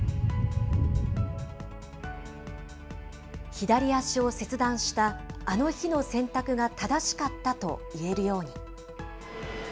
左足を切断したあの日の選択が正しかったと言えるように。